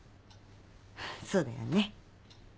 そうだよね。